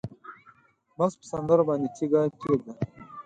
بس په سندرو باندې تیږه کېږده